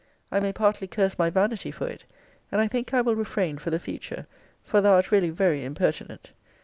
I may partly curse my vanity for it; and I think I will refrain for the future; for thou art really very impertinent.